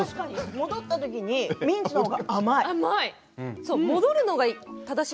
戻ったときにミンチのほうが甘い。